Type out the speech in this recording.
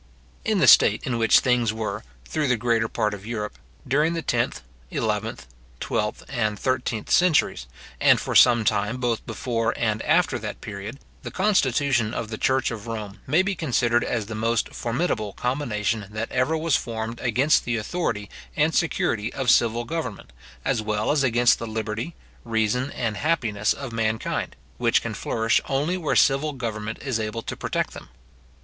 In the state in which things were, through the greater part of Europe, during the tenth, eleventh, twelfth, and thirteenth centuries, and for some time both before and after that period, the constitution of the church of Rome may be considered as the most formidable combination that ever was formed against the authority and security of civil government, as well as against the liberty, reason, and happiness of mankind, which can flourish only where civil government is able to protect them.